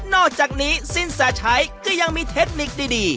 อกจากนี้สินแสชัยก็ยังมีเทคนิคดี